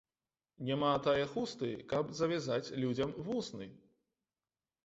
Няма тае хусты, каб завязаць людзям вусны